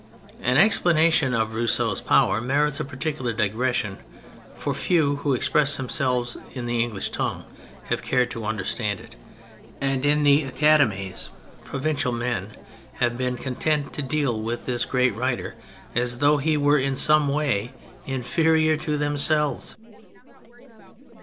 An explanation of Rousseau's power merits a particular digression, for few who express themselves in the English tongue have cared to understand it, and in the academies pro vincial men have been content to deal with this great writer as though he were in some way inferior to themselves.